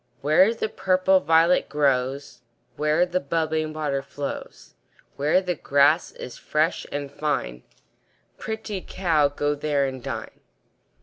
Where the purple violet grows, Where the bubbling water flows, Where the grass is fresh and fine, Pretty cow, go there and dine.